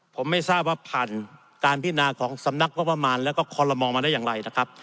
ผมไม่ทราบว่าผ่านการพินาของสำนักงบประมาณแล้วก็คอลโลมอลมาได้อย่างไรนะครับ